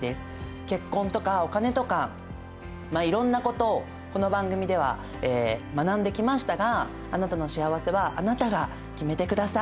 結婚とかお金とかいろんなことをこの番組では学んできましたがあなたの幸せはあなたが決めてください。